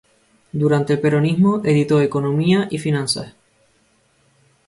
Durante el peronismo editó Economía y finanzas.